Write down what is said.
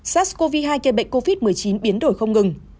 sars cov hai gây bệnh covid một mươi chín biến đổi không ngừng